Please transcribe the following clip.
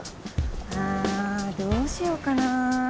あどうしよっかな。